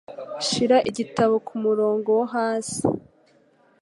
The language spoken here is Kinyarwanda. Shira igitabo kumurongo wo hasi.